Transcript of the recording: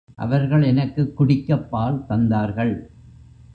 அவர்கள் எனக்குக் குடிக்கப் பால் தந்தார்கள்.